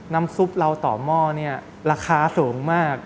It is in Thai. น้ำซุปเราต่อหม้อเนี่ยราคาสูงมาก